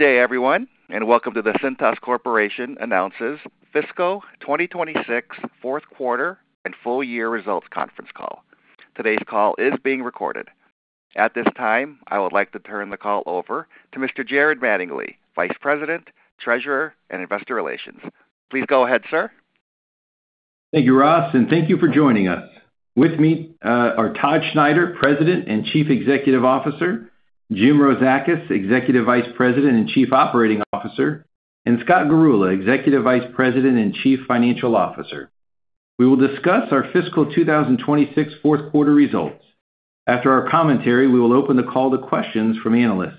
Good day everyone. Welcome to the Cintas Corporation announces fiscal 2026 fourth quarter and full year results conference call. Today's call is being recorded. At this time, I would like to turn the call over to Mr. Jared Mattingley, Vice President, Treasurer, and Investor Relations. Please go ahead, sir. Thank you, Ross. Thank you for joining us. With me are Todd Schneider, President and Chief Executive Officer, Jim Rozakis, Executive Vice President and Chief Operating Officer, Scott Garula, Executive Vice President and Chief Financial Officer. We will discuss our fiscal 2026 fourth quarter results. After our commentary, we will open the call to questions from analysts.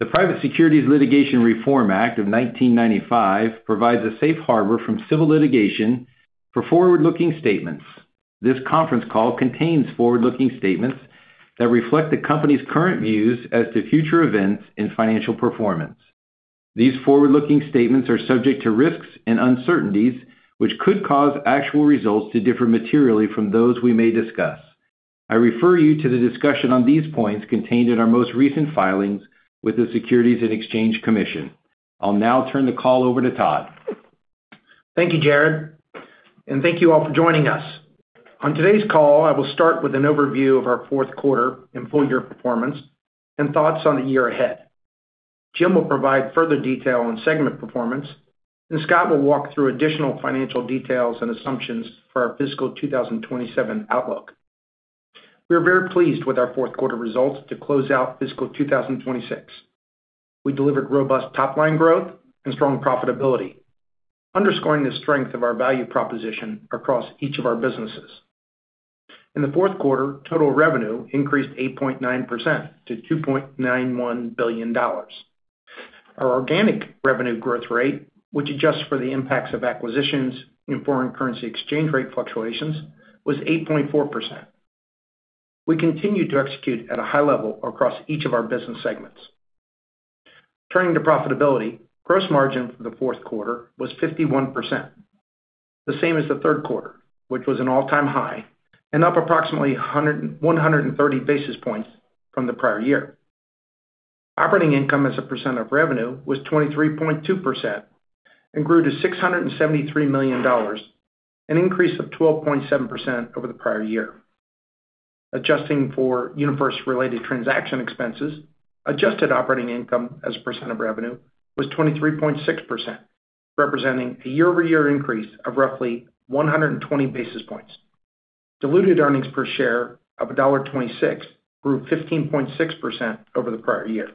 The Private Securities Litigation Reform Act of 1995 provides a safe harbor from civil litigation for forward-looking statements. This conference call contains forward-looking statements that reflect the company's current views as to future events and financial performance. These forward-looking statements are subject to risks and uncertainties, which could cause actual results to differ materially from those we may discuss. I refer you to the discussion on these points contained in our most recent filings with the Securities and Exchange Commission. I will now turn the call over to Todd. Thank you, Jared. Thank you all for joining us. On today's call, I will start with an overview of our fourth quarter and full year performance. Thoughts on the year ahead. Jim will provide further detail on segment performance. Scott will walk through additional financial details and assumptions for our fiscal 2027 outlook. We are very pleased with our fourth quarter results to close out fiscal 2026. We delivered robust top-line growth and strong profitability, underscoring the strength of our value proposition across each of our businesses. In the fourth quarter, total revenue increased 8.9% to $2.91 billion. Our organic revenue growth rate, which adjusts for the impacts of acquisitions and foreign currency exchange rate fluctuations, was 8.4%. We continued to execute at a high level across each of our business segments. Turning to profitability, gross margin for the fourth quarter was 51%, the same as the third quarter, which was an all-time high. Up approximately 130 basis points from the prior year. Operating income as a percent of revenue was 23.2%. Grew to $673 million, an increase of 12.7% over the prior year. Adjusting for UniFirst-related transaction expenses, adjusted operating income as a percent of revenue was 23.6%, representing a year-over-year increase of roughly 120 basis points. Diluted earnings per share of $1.26 grew 15.6% over the prior year.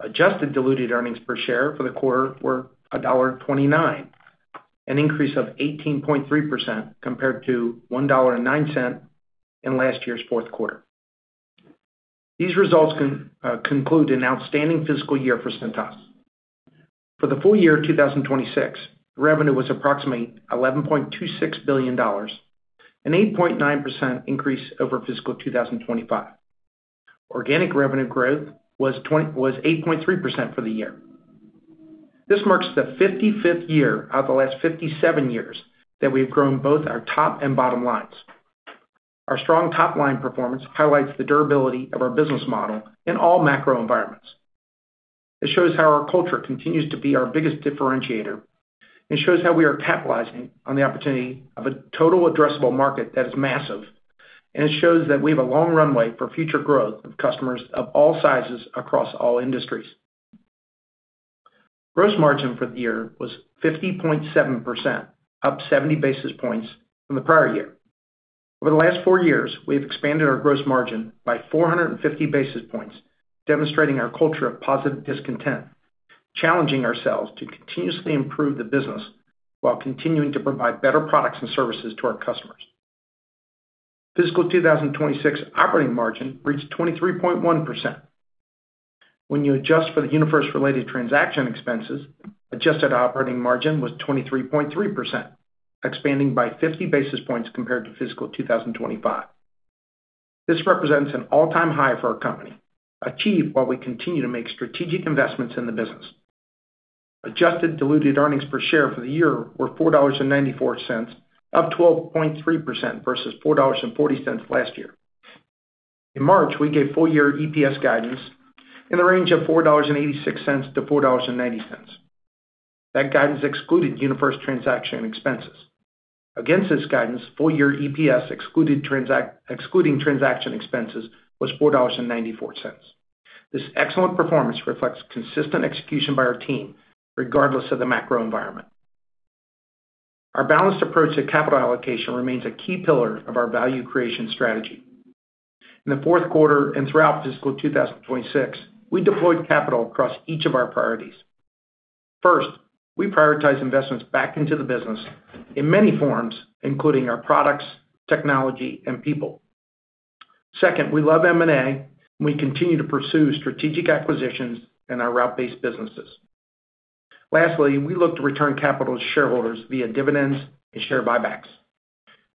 Adjusted diluted earnings per share for the quarter were $1.29, an increase of 18.3% compared to $1.09 in last year's fourth quarter. These results conclude an outstanding fiscal year for Cintas. For the full year 2026, revenue was approximately $11.26 billion, an 8.9% increase over fiscal 2025. Organic revenue growth was 8.3% for the year. This marks the 55th year out of the last 57 years that we've grown both our top and bottom lines. Our strong top-line performance highlights the durability of our business model in all macro environments. It shows how our culture continues to be our biggest differentiator. It shows how we are capitalizing on the opportunity of a total addressable market that is massive, and it shows that we have a long runway for future growth of customers of all sizes across all industries. Gross margin for the year was 50.7%, up 70 basis points from the prior year. Over the last four years, we have expanded our gross margin by 450 basis points, demonstrating our culture of positive discontent, challenging ourselves to continuously improve the business while continuing to provide better products and services to our customers. Fiscal 2026 operating margin reached 23.1%. When you adjust for the UniFirst-related transaction expenses, adjusted operating margin was 23.3%, expanding by 50 basis points compared to fiscal 2025. This represents an all-time high for our company, achieved while we continue to make strategic investments in the business. Adjusted diluted earnings per share for the year were $4.94, up 12.3% versus $4.40 last year. In March, we gave full-year EPS guidance in the range of $4.86-$4.90. That guidance excluded UniFirst transaction expenses. Against this guidance, full-year EPS excluding transaction expenses, was $4.94. This excellent performance reflects consistent execution by our team, regardless of the macro environment. Our balanced approach to capital allocation remains a key pillar of our value creation strategy. In the fourth quarter and throughout fiscal 2026, we deployed capital across each of our priorities. First, we prioritize investments back into the business in many forms, including our products, technology, and people. Second, we love M&A, and we continue to pursue strategic acquisitions in our route-based businesses. Lastly, we look to return capital to shareholders via dividends and share buybacks.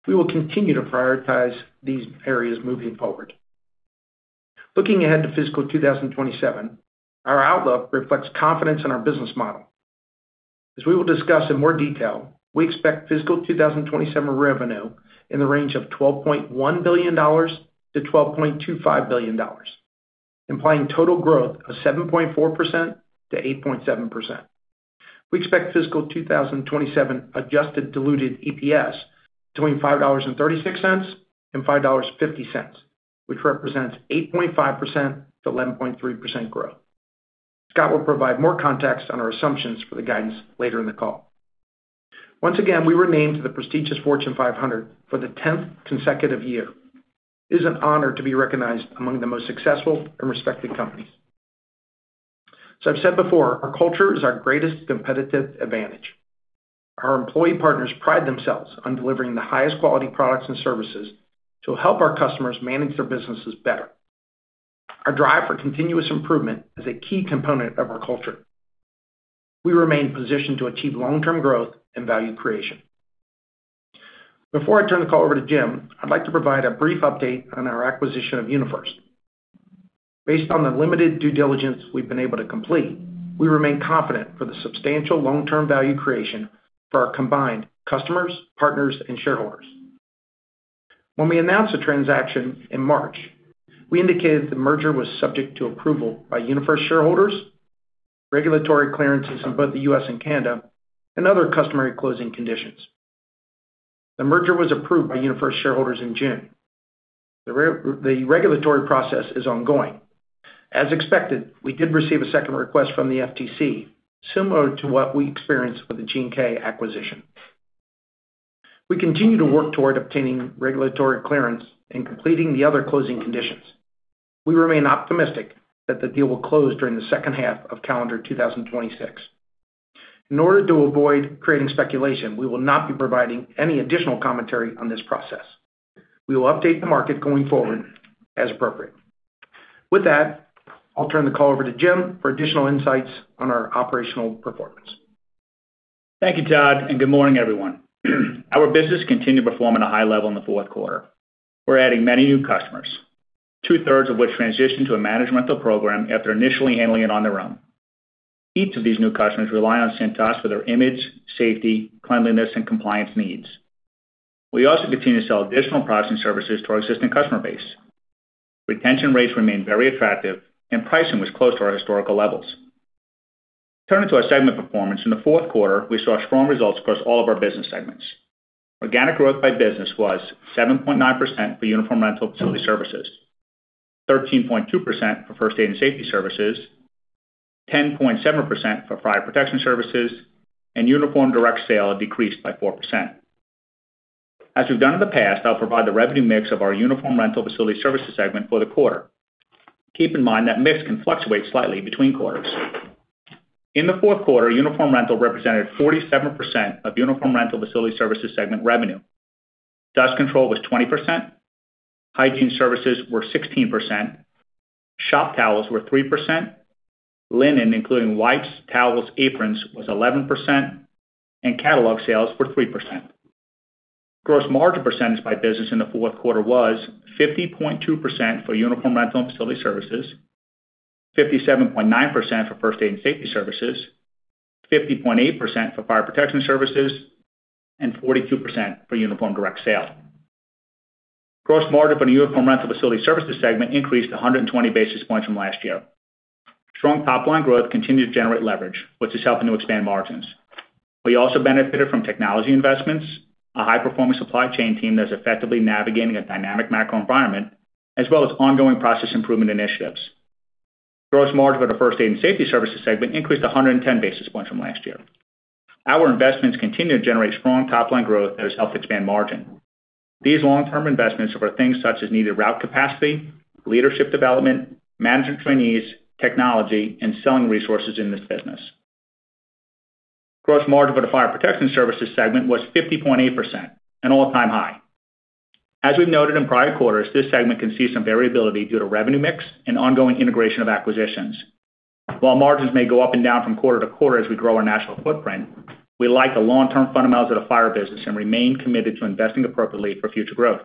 We will continue to prioritize these areas moving forward. Looking ahead to fiscal 2027, our outlook reflects confidence in our business model As we will discuss in more detail, we expect fiscal 2027 revenue in the range of $12.1 billion-$12.25 billion, implying total growth of 7.4%-8.7%. We expect fiscal 2027 adjusted diluted EPS between $5.36 and $5.50, which represents 8.5%-11.3% growth. Scott will provide more context on our assumptions for the guidance later in the call. Once again, we were named to the prestigious Fortune 500 for the 10th consecutive year. It is an honor to be recognized among the most successful and respected companies. As I've said before, our culture is our greatest competitive advantage. Our employee partners pride themselves on delivering the highest quality products and services to help our customers manage their businesses better. Our drive for continuous improvement is a key component of our culture. We remain positioned to achieve long-term growth and value creation. Before I turn the call over to Jim, I'd like to provide a brief update on our acquisition of UniFirst. Based on the limited due diligence we've been able to complete, we remain confident for the substantial long-term value creation for our combined customers, partners, and shareholders. When we announced the transaction in March, we indicated the merger was subject to approval by UniFirst shareholders, regulatory clearances in both the U.S. and Canada, and other customary closing conditions. The merger was approved by UniFirst shareholders in June. The regulatory process is ongoing. As expected, we did receive a second request from the FTC, similar to what we experienced with the G&K Services acquisition. We continue to work toward obtaining regulatory clearance and completing the other closing conditions. We remain optimistic that the deal will close during the second half of calendar 2026. In order to avoid creating speculation, we will not be providing any additional commentary on this process. We will update the market going forward as appropriate. With that, I'll turn the call over to Jim for additional insights on our operational performance. Thank you, Todd. Our business continued to perform at a high level in the fourth quarter. We're adding many new customers, two-thirds of which transition to a management program after initially handling it on their own. Each of these new customers rely on Cintas for their image, safety, cleanliness, and compliance needs. We also continue to sell additional products and services to our existing customer base. Retention rates remain very attractive, and pricing was close to our historical levels. Turning to our segment performance, in the fourth quarter, we saw strong results across all of our business segments. Organic growth by business was 7.9% for Uniform Rental Facility Services, 13.2% for First Aid and Safety Services, 10.7% for Fire Protection Services, and Uniform Direct Sales decreased by 4%. As we've done in the past, I'll provide the revenue mix of our Uniform Rental Facility Services segment for the quarter. Keep in mind that mix can fluctuate slightly between quarters. In the fourth quarter, uniform rental represented 47% of Uniform Rental Facility Services segment revenue. Dust control was 20%, hygiene services were 16%, shop towels were 3%, linen, including wipes, towels, aprons, was 11%, and catalog sales were 3%. Gross margin percentage by business in the fourth quarter was 50.2% for Uniform Rental and Facility Services, 57.9% for First Aid and Safety Services, 50.8% for Fire Protection Services, and 42% for Uniform Direct Sales. Gross margin for the Uniform Rental Facility Services segment increased 120 basis points from last year. Strong top-line growth continued to generate leverage, which is helping to expand margins. We also benefited from technology investments, a high-performing supply chain team that is effectively navigating a dynamic macro environment, as well as ongoing process improvement initiatives. Gross margin for the First Aid and Safety Services segment increased 110 basis points from last year. Our investments continue to generate strong top-line growth that has helped expand margin. These long-term investments are for things such as needed route capacity, leadership development, management trainees, technology, and selling resources in this business. Gross margin for the Fire Protection Services segment was 50.8%, an all-time high. As we've noted in prior quarters, this segment can see some variability due to revenue mix and ongoing integration of acquisitions. While margins may go up and down from quarter to quarter as we grow our national footprint, we like the long-term fundamentals of the fire business and remain committed to investing appropriately for future growth.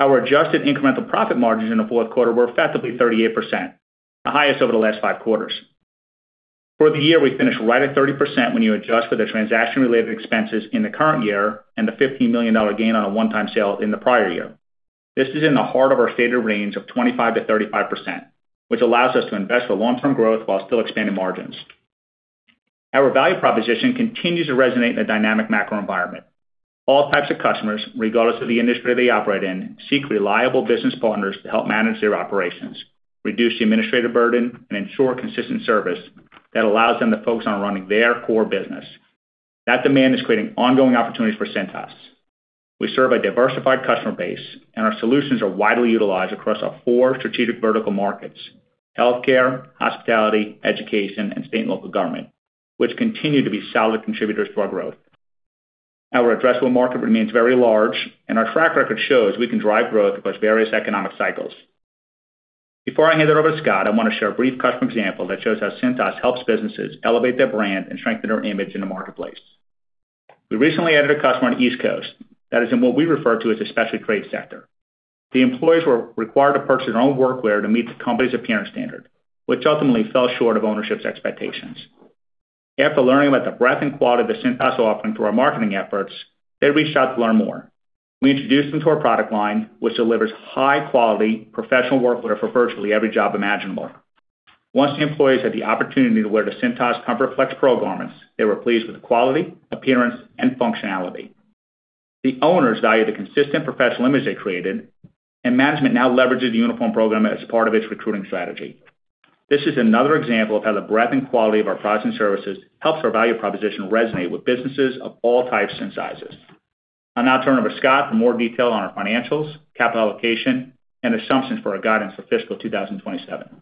Our adjusted incremental profit margins in the fourth quarter were effectively 38%, the highest over the last five quarters. For the year, we finished right at 30% when you adjust for the transaction-related expenses in the current year and the $15 million gain on a one-time sale in the prior year. This is in the heart of our stated range of 25%-35%, which allows us to invest for long-term growth while still expanding margins. Our value proposition continues to resonate in a dynamic macro environment. All types of customers, regardless of the industry they operate in, seek reliable business partners to help manage their operations, reduce the administrative burden, and ensure consistent service that allows them to focus on running their core business. That demand is creating ongoing opportunities for Cintas. We serve a diversified customer base, and our solutions are widely utilized across our four strategic vertical markets: healthcare, hospitality, education, and state and local government, which continue to be solid contributors to our growth. Our addressable market remains very large, and our track record shows we can drive growth across various economic cycles. Before I hand it over to Scott, I want to share a brief customer example that shows how Cintas helps businesses elevate their brand and strengthen their image in the marketplace. We recently added a customer on the East Coast that is in what we refer to as the specialty trade sector. The employees were required to purchase their own workwear to meet the company's appearance standard, which ultimately fell short of ownership's expectations. After learning about the breadth and quality of the Cintas offering through our marketing efforts, they reached out to learn more. We introduced them to our product line, which delivers high-quality professional workwear for virtually every job imaginable. Once the employees had the opportunity to wear the Cintas ComfortFlex Pro garments, they were pleased with the quality, appearance, and functionality. The owners value the consistent professional image they created, and management now leverages the uniform program as part of its recruiting strategy. This is another example of how the breadth and quality of our products and services helps our value proposition resonate with businesses of all types and sizes. I'll now turn it over to Scott for more detail on our financials, capital allocation, and assumptions for our guidance for fiscal 2027.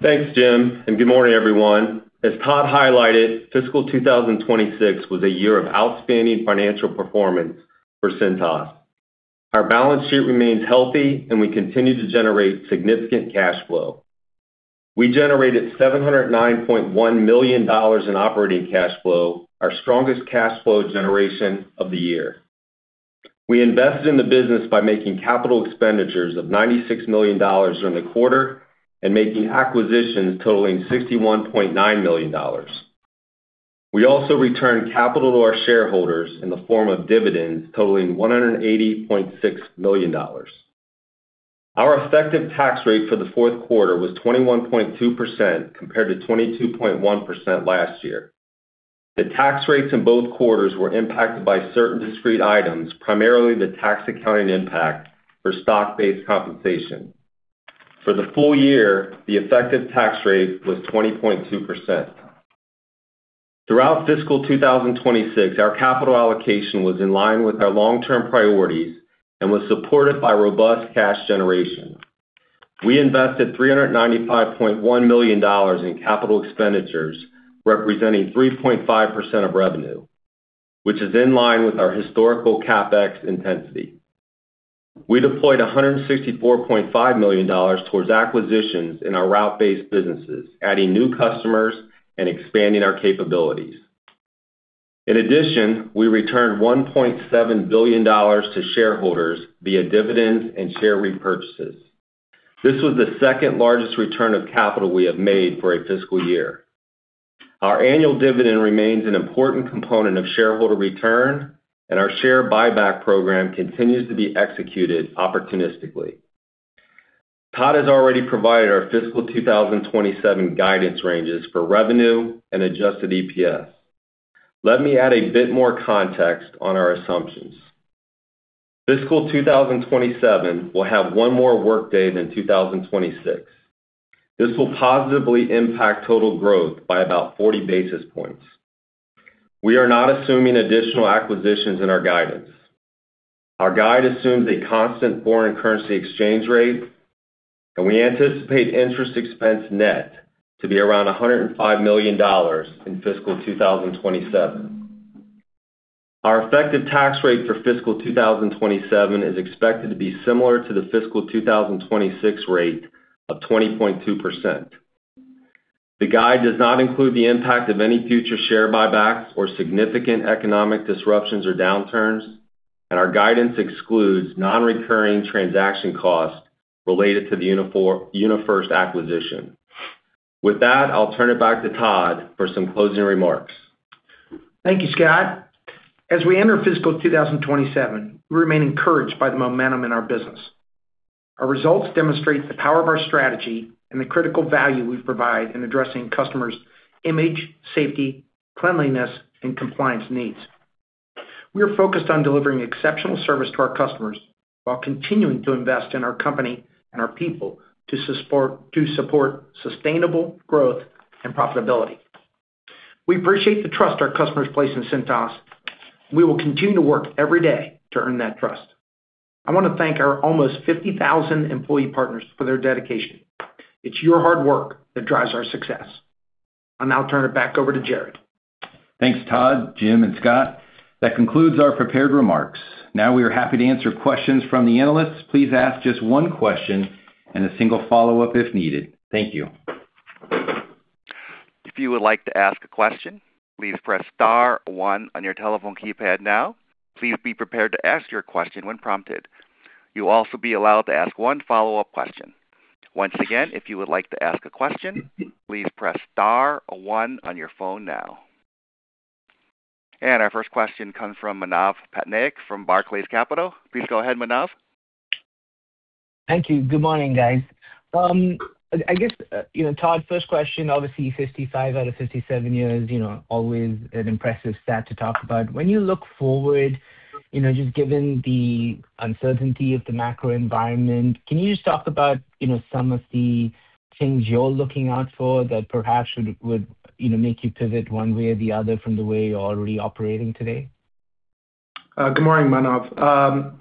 Thanks, Jim, and good morning, everyone. As Todd highlighted, fiscal 2026 was a year of outstanding financial performance for Cintas. Our balance sheet remains healthy, and we continue to generate significant cash flow. We generated $709.1 million in operating cash flow, our strongest cash flow generation of the year. We invested in the business by making capital expenditures of $96 million during the quarter and making acquisitions totaling $61.9 million. We also returned capital to our shareholders in the form of dividends totaling $180.6 million. Our effective tax rate for the fourth quarter was 21.2% compared to 22.1% last year. The tax rates in both quarters were impacted by certain discrete items, primarily the tax accounting impact for stock-based compensation. For the full year, the effective tax rate was 20.2%. Throughout fiscal 2026, our capital allocation was in line with our long-term priorities and was supported by robust cash generation. We invested $395.1 million in capital expenditures, representing 3.5% of revenue, which is in line with our historical CapEx intensity. We deployed $164.5 million towards acquisitions in our route-based businesses, adding new customers and expanding our capabilities. In addition, we returned $1.7 billion to shareholders via dividends and share repurchases. This was the second-largest return of capital we have made for a fiscal year. Our annual dividend remains an important component of shareholder return, and our share buyback program continues to be executed opportunistically. Todd has already provided our fiscal 2027 guidance ranges for revenue and adjusted EPS. Let me add a bit more context on our assumptions. Fiscal 2027 will have one more workday than 2026. This will positively impact total growth by about 40 basis points. We are not assuming additional acquisitions in our guidance. Our guide assumes a constant foreign currency exchange rate. We anticipate interest expense net to be around $105 million in fiscal 2027. Our effective tax rate for fiscal 2027 is expected to be similar to the fiscal 2026 rate of 20.2%. The guide does not include the impact of any future share buybacks or significant economic disruptions or downturns. Our guidance excludes non-recurring transaction costs related to the UniFirst acquisition. With that, I'll turn it back to Todd for some closing remarks. Thank you, Scott. As we enter fiscal 2027, we remain encouraged by the momentum in our business. Our results demonstrate the power of our strategy and the critical value we provide in addressing customers' image, safety, cleanliness, and compliance needs. We are focused on delivering exceptional service to our customers while continuing to invest in our company and our people to support sustainable growth and profitability. We appreciate the trust our customers place in Cintas. We will continue to work every day to earn that trust. I want to thank our almost 50,000 employee partners for their dedication. It's your hard work that drives our success. I'll now turn it back over to Jared. Thanks, Todd, Jim, and Scott. That concludes our prepared remarks. Now, we are happy to answer questions from the analysts. Please ask just one question and a single follow-up if needed. Thank you. If you would like to ask a question, please press star one on your telephone keypad now. Please be prepared to ask your question when prompted. You'll also be allowed to ask one follow-up question. Once again, if you would like to ask a question, please press star one on your phone now. Our first question comes from Manav Patnaik from Barclays Capital. Please go ahead, Manav. Thank you. Good morning, guys. I guess, Todd, first question, obviously 55 out of 57 years, always an impressive stat to talk about. When you look forward, just given the uncertainty of the macro environment, can you just talk about some of the things you're looking out for that perhaps would make you pivot one way or the other from the way you're already operating today? Good morning, Manav.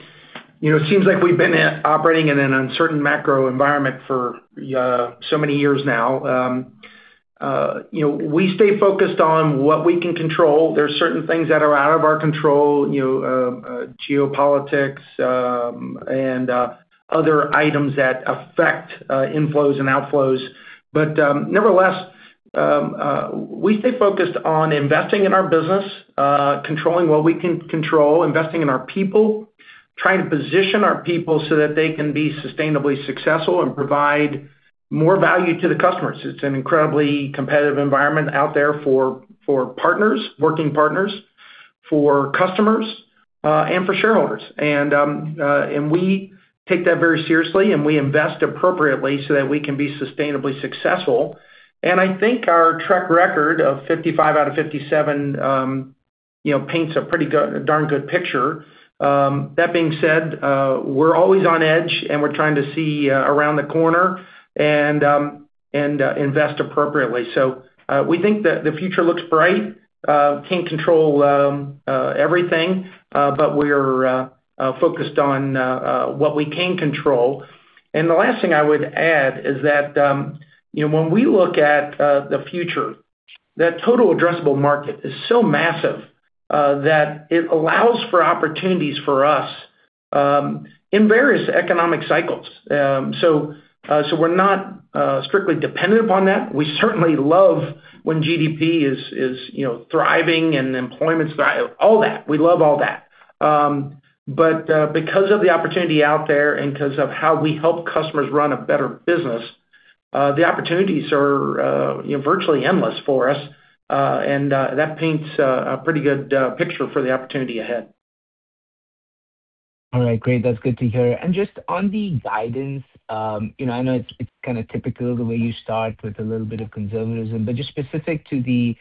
It seems like we've been operating in an uncertain macro environment for so many years now. We stay focused on what we can control. There's certain things that are out of our control, geopolitics and other items that affect inflows and outflows. Nevertheless, we stay focused on investing in our business, controlling what we can control, investing in our people, trying to position our people so that they can be sustainably successful and provide more value to the customers. It's an incredibly competitive environment out there for partners, working partners, for customers, and for shareholders. We take that very seriously, and we invest appropriately so that we can be sustainably successful. I think our track record of 55 out of 57 paints a pretty darn good picture. That being said, we're always on edge, and we're trying to see around the corner and invest appropriately. We think that the future looks bright. Can't control everything, but we're focused on what we can control. The last thing I would add is that when we look at the future, that total addressable market is so massive that it allows for opportunities for us in various economic cycles. We're not strictly dependent upon that. We certainly love when GDP is thriving and employment's thriving, all that. We love all that. Because of the opportunity out there and because of how we help customers run a better business, the opportunities are virtually endless for us. That paints a pretty good picture for the opportunity ahead. All right, great. That's good to hear. Just on the guidance, I know it's kind of typical the way you start with a little bit of conservatism, but just specific to the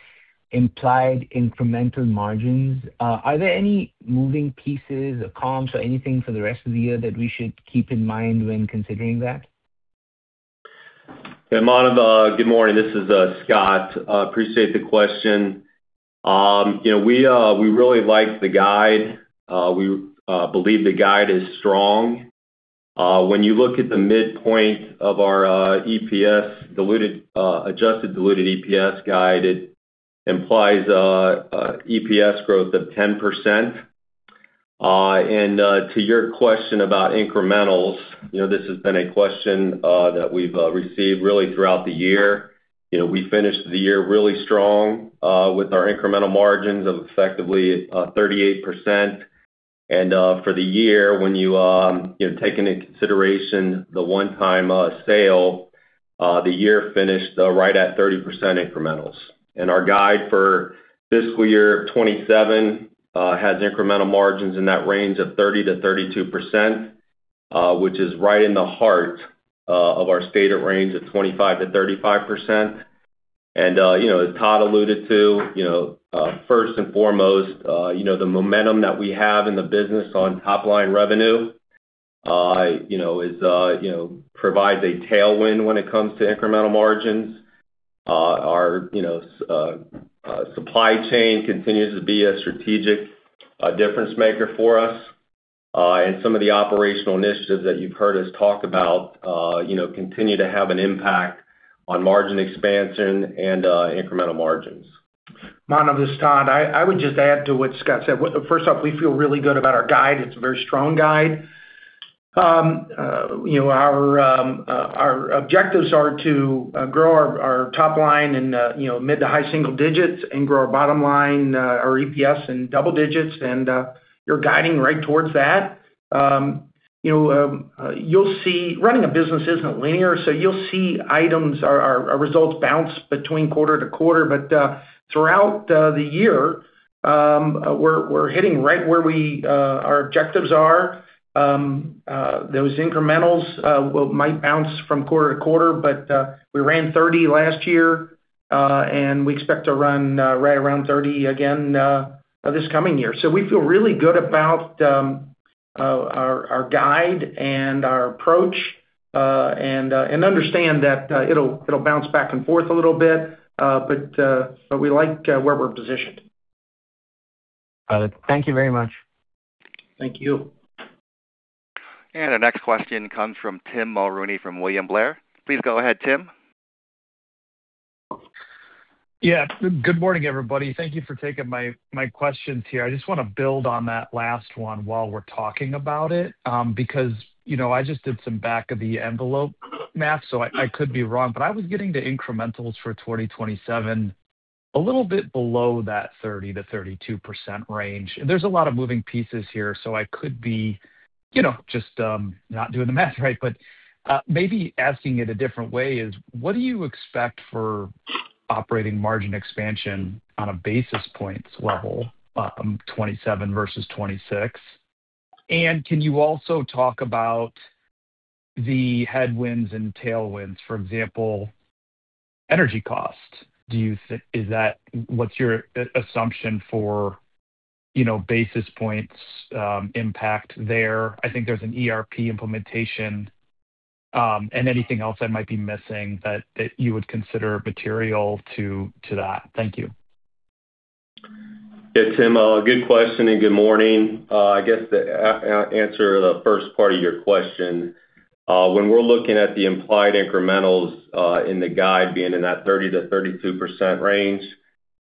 implied incremental margins, are there any moving pieces or comps or anything for the rest of the year that we should keep in mind when considering that? Yeah, Manav, good morning. This is Scott. Appreciate the question. We really like the guide. We believe the guide is strong. When you look at the midpoint of our adjusted diluted EPS guide, it implies EPS growth of 10%. To your question about incrementals, this has been a question that we've received really throughout the year. We finished the year really strong with our incremental margins of effectively 38%. For the year, when you take into consideration the one-time sale, the year finished right at 30% incrementals. Our guide for fiscal year 2027 has incremental margins in that range of 30%-32%, which is right in the heart of our stated range of 25%-35%. As Todd alluded to, first and foremost, the momentum that we have in the business on top-line revenue provides a tailwind when it comes to incremental margins. Our supply chain continues to be a strategic difference-maker for us. Some of the operational initiatives that you've heard us talk about continue to have an impact on margin expansion and incremental margins. Manav, this is Todd. I would just add to what Scott said. First off, we feel really good about our guide. It's a very strong guide. Our objectives are to grow our top line in mid to high single digits and grow our bottom line, our EPS, in double digits, and we're guiding right towards that. Running a business isn't linear, so you'll see our results bounce between quarter to quarter. Throughout the year, we're hitting right where our objectives are. Those incrementals might bounce from quarter to quarter, but we ran 30 last year, and we expect to run right around 30 again this coming year. We feel really good about our guide and our approach, and understand that it'll bounce back and forth a little bit. We like where we're positioned. Got it. Thank you very much. Thank you. Our next question comes from Tim Mulrooney from William Blair. Please go ahead, Tim. Good morning, everybody. Thank you for taking my questions here. I just want to build on that last one while we're talking about it. I just did some back of the envelope math, so I could be wrong, but I was getting the incremental for 2027 a little bit below that 30%-32% range. There's a lot of moving pieces here, so I could be just not doing the math right. Maybe asking it a different way is, what do you expect for operating margin expansion on a basis points level, 2027 versus 2026? Can you also talk about the headwinds and tailwinds, for example, energy costs? What's your assumption for basis points impact there? I think there's an ERP implementation. Anything else I might be missing that you would consider material to that? Thank you. Tim, good question and good morning. I guess to answer the first part of your question, when we're looking at the implied incremental in the guide being in that 30%-32% range.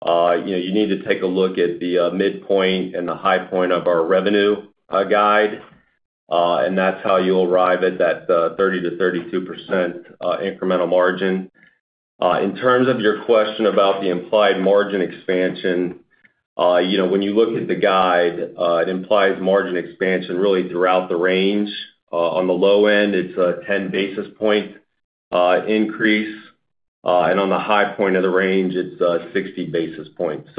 You need to take a look at the midpoint and the high point of our revenue guide, and that's how you'll arrive at that 30%-32% incremental margin. In terms of your question about the implied margin expansion, when you look at the guide, it implies margin expansion really throughout the range. On the low end, it's a 10-basis-point increase, and on the high point of the range, it's 60 basis points.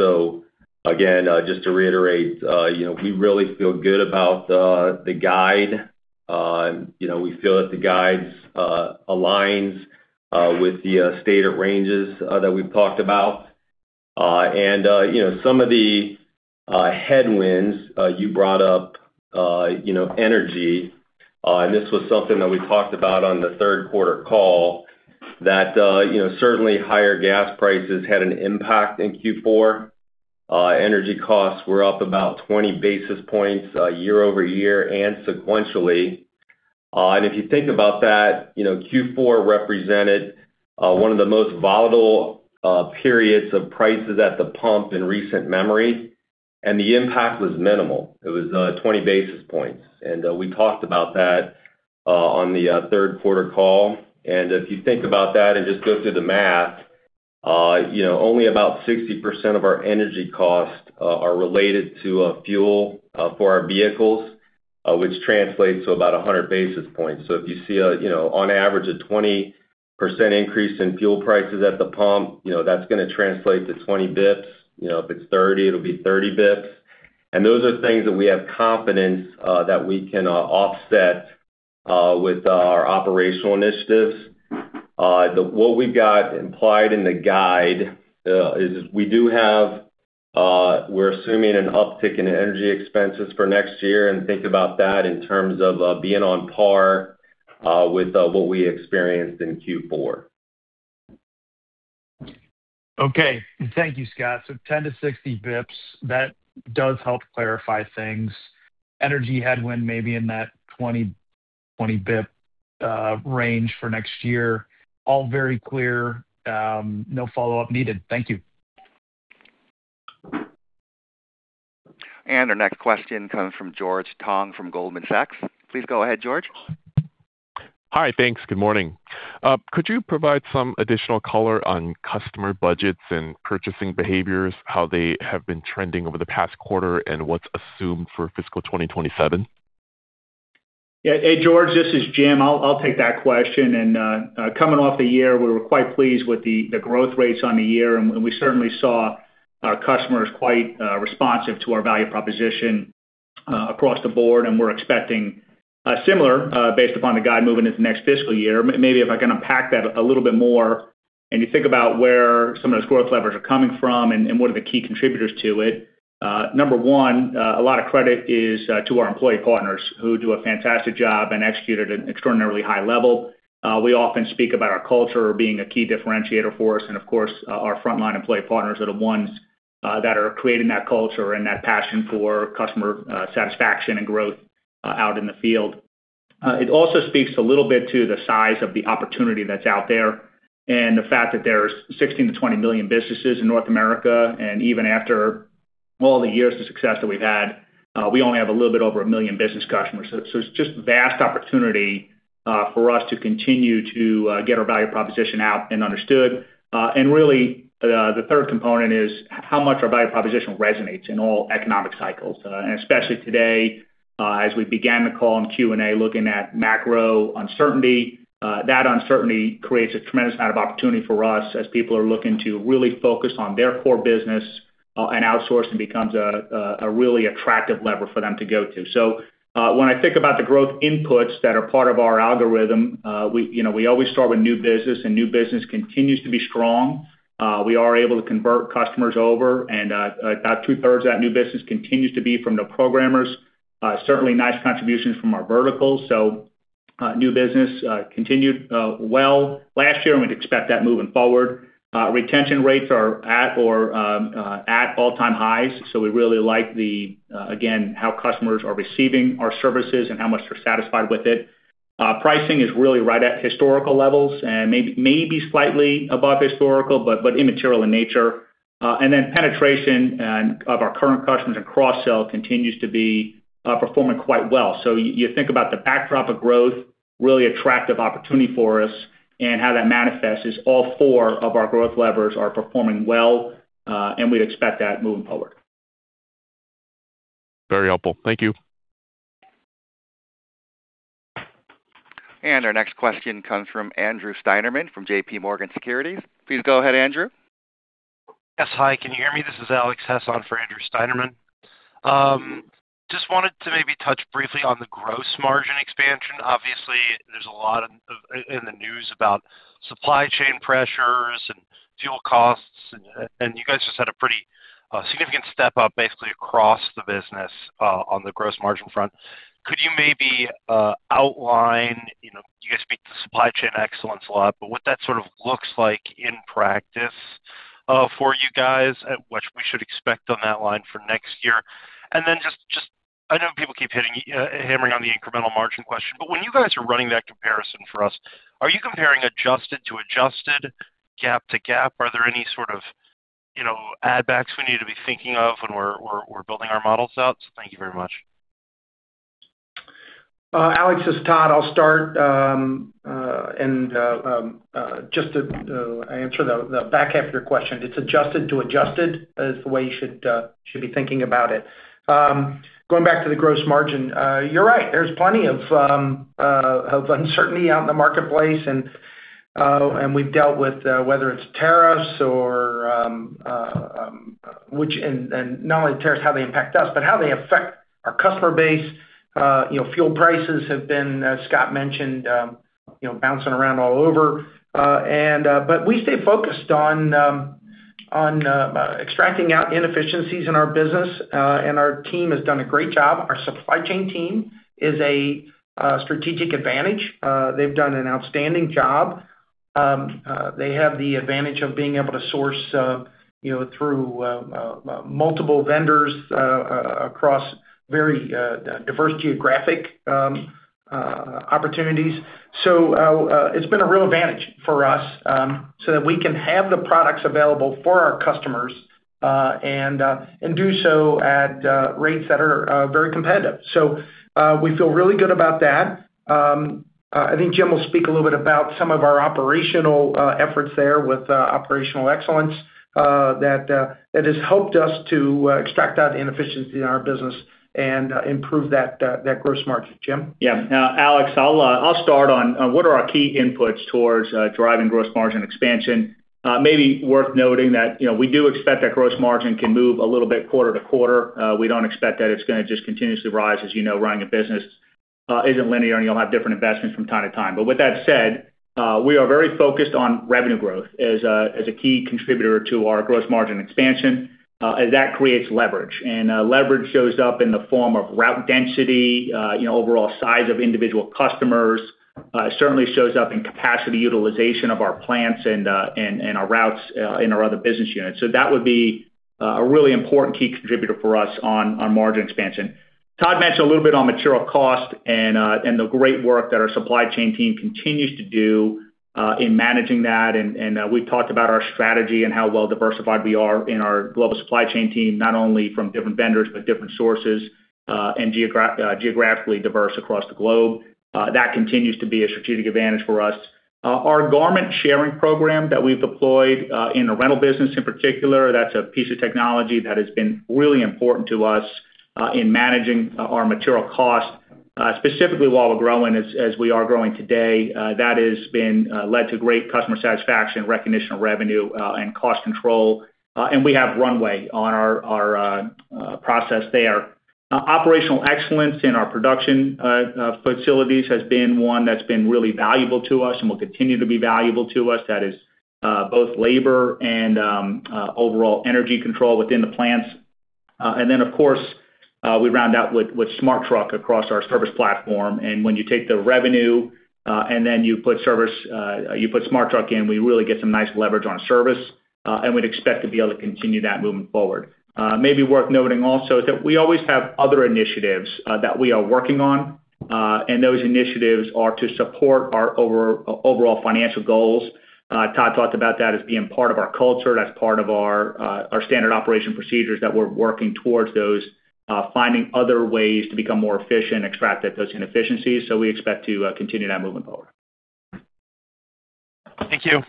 Again, just to reiterate, we really feel good about the guide. We feel that the guide aligns with the state of ranges that we've talked about. Some of the headwinds you brought up, energy, this was something that we talked about on the third quarter call, that certainly higher gas prices had an impact in Q4. Energy costs were up about 20 basis points year-over-year and sequentially. If you think about that, Q4 represented one of the most volatile periods of prices at the pump in recent memory, and the impact was minimal. It was 20 basis points, and we talked about that on the third quarter call. If you think about that and just go through the math, only about 60% of our energy costs are related to fuel for our vehicles, which translates to about 100 basis points. If you see on average a 20% increase in fuel prices at the pump, that's going to translate to 20 basis points. If it's 30, it'll be 30 basis points. Those are things that we have confidence that we can offset with our operational initiatives. What we've got implied in the guide is we're assuming an uptick in energy expenses for next year, and think about that in terms of being on par with what we experienced in Q4. Thank you, Scott. 10 to 60 basis points, that does help clarify things. Energy headwind may be in that 20 basis point range for next year. All very clear. No follow-up needed. Thank you. Our next question comes from George Tong from Goldman Sachs. Please go ahead, George. Hi. Thanks. Good morning. Could you provide some additional color on customer budgets and purchasing behaviors, how they have been trending over the past quarter, and what's assumed for fiscal 2027? Yeah. Hey, George, this is Jim. I'll take that question. Coming off the year, we were quite pleased with the growth rates on the year, and we certainly saw our customers quite responsive to our value proposition across the board, and we're expecting similar based upon the guide moving into the next fiscal year. Maybe if I can unpack that a little bit more, and you think about where some of those growth levers are coming from and what are the key contributors to it, number one, a lot of credit is to our employee partners who do a fantastic job and execute at an extraordinarily high level. We often speak about our culture being a key differentiator for us, and of course, our frontline employee partners are the ones that are creating that culture and that passion for customer satisfaction and growth out in the field. It also speaks a little bit to the size of the opportunity that's out there, the fact that there's 16 to 20 million businesses in North America, and even after all the years of success that we've had, we only have a little bit over a million business customers. It's just vast opportunity for us to continue to get our value proposition out and understood. Really, the third component is how much our value proposition resonates in all economic cycles, and especially today as we began the call in Q&A looking at macro uncertainty. That uncertainty creates a tremendous amount of opportunity for us as people are looking to really focus on their core business, and outsourcing becomes a really attractive lever for them to go to. When I think about the growth inputs that are part of our algorithm, we always start with new business, new business continues to be strong. We are able to convert customers over, and about 2/3 of that new business continues to be from the no-programmers. Certainly nice contributions from our verticals. New business continued well last year, and we'd expect that moving forward. Retention rates are at all-time highs, so we really like, again, how customers are receiving our services and how much they're satisfied with it. Pricing is really right at historical levels and maybe slightly above historical, but immaterial in nature. Then penetration of our current customers and cross-sell continues to be performing quite well. You think about the backdrop of growth, really attractive opportunity for us, and how that manifests is all four of our growth levers are performing well, and we'd expect that moving forward. Very helpful. Thank you. Our next question comes from Andrew Steinerman from JPMorgan Securities. Please go ahead, Andrew. Yes. Hi, can you hear me? This is Alex Hess on for Andrew Steinerman. Wanted to maybe touch briefly on the gross margin expansion. Obviously, there's a lot in the news about supply chain pressures and fuel costs, you guys just had a pretty significant step-up basically across the business on the gross margin front. Could you maybe outline, you guys speak to supply chain excellence a lot, but what that sort of looks like in practice for you guys, and what we should expect on that line for next year? I know people keep hammering on the incremental margin question, but when you guys are running that comparison for us, are you comparing adjusted to adjusted, GAAP to GAAP? Are there any sort of add-backs we need to be thinking of when we're building our models out? Thank you very much. Alex, this is Todd. I'll start. To answer the back half of your question, it's adjusted to adjusted is the way you should be thinking about it. Going back to the gross margin, you're right. There's plenty of uncertainty out in the marketplace, we've dealt with whether it's tariffs or, not only tariffs, how they impact us, but how they affect our customer base. Fuel prices have been, as Scott mentioned, bouncing around all over. We stay focused on extracting out inefficiencies in our business, our team has done a great job. Our supply chain team is a strategic advantage. They've done an outstanding job. They have the advantage of being able to source through multiple vendors across very diverse geographic opportunities. It's been a real advantage for us, so that we can have the products available for our customers, do so at rates that are very competitive. We feel really good about that. I think Jim will speak a little bit about some of our operational efforts there with operational excellence, that has helped us to extract out the inefficiency in our business and improve that gross margin. Jim? Yeah. Alex, I'll start on what are our key inputs towards driving gross margin expansion. Maybe worth noting that we do expect that gross margin can move a little bit quarter-to-quarter. We don't expect that it's going to just continuously rise. As you know, running a business isn't linear, and you'll have different investments from time to time. With that said, we are very focused on revenue growth as a key contributor to our gross margin expansion, as that creates leverage. Leverage shows up in the form of route density, overall size of individual customers. Certainly shows up in capacity utilization of our plants and our routes in our other business units. That would be a really important key contributor for us on margin expansion. Todd mentioned a little bit on material cost and the great work that our supply chain team continues to do in managing that. We've talked about our strategy and how well diversified we are in our global supply chain team, not only from different vendors but different sources, and geographically diverse across the globe. That continues to be a strategic advantage for us. Our garment sharing program that we've deployed in the rental business in particular, that's a piece of technology that has been really important to us in managing our material cost, specifically while we're growing, as we are growing today. That has led to great customer satisfaction, recognition of revenue, and cost control. We have runway on our process there. Operational excellence in our production facilities has been one that's been really valuable to us and will continue to be valuable to us. That is both labor and overall energy control within the plants. Of course, we round out with Smart Truck across our service platform. When you take the revenue, and then you put Smart Truck in, we really get some nice leverage on service, and we'd expect to be able to continue that moving forward. Maybe worth noting also that we always have other initiatives that we are working on, and those initiatives are to support our overall financial goals. Todd talked about that as being part of our culture, that's part of our standard operation procedures that we're working towards those, finding other ways to become more efficient, extract those inefficiencies. We expect to continue that moving forward. Thank you.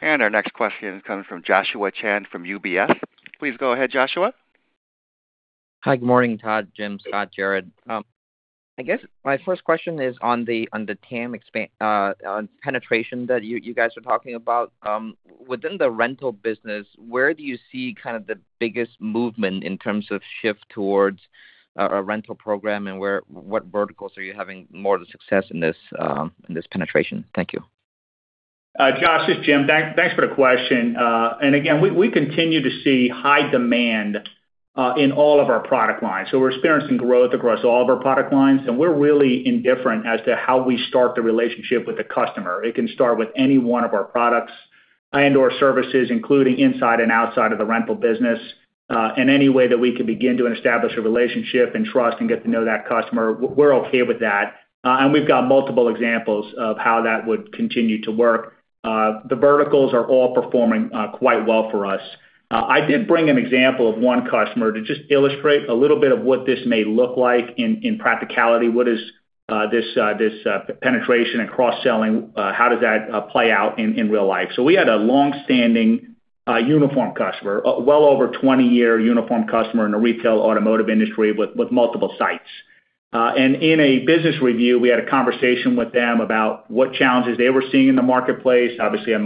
Our next question comes from Joshua Chan from UBS. Please go ahead, Joshua. Hi, good morning, Todd, Jim, Scott, Jared. I guess my first question is on the TAM penetration that you guys are talking about. Within the rental business, where do you see kind of the biggest movement in terms of shift towards a rental program, and what verticals are you having more of the success in this penetration? Thank you. Josh, it's Jim. Thanks for the question. Again, we continue to see high demand in all of our product lines. We're experiencing growth across all of our product lines, and we're really indifferent as to how we start the relationship with the customer. It can start with any one of our products and/or services, including inside and outside of the rental business. Any way that we can begin to establish a relationship and trust and get to know that customer, we're okay with that. We've got multiple examples of how that would continue to work. The verticals are all performing quite well for us. I did bring an example of one customer to just illustrate a little bit of what this may look like in practicality. What is this penetration and cross-selling? How does that play out in real life? We had a longstanding uniform customer, well over 20-year uniform customer in the retail automotive industry with multiple sites. In a business review, we had a conversation with them about what challenges they were seeing in the marketplace, obviously a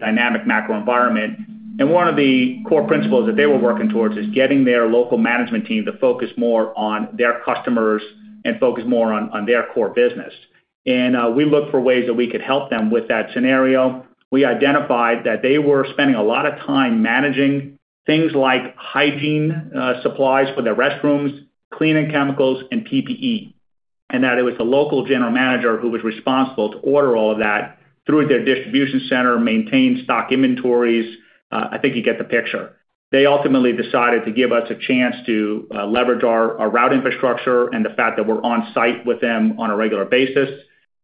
dynamic macro environment. One of the core principles that they were working towards is getting their local management team to focus more on their customers and focus more on their core business. We looked for ways that we could help them with that scenario. We identified that they were spending a lot of time managing things like hygiene supplies for their restrooms, cleaning chemicals, and PPE. That it was the local general manager who was responsible to order all of that through their distribution center, maintain stock inventories. I think you get the picture. They ultimately decided to give us a chance to leverage our route infrastructure and the fact that we're on site with them on a regular basis.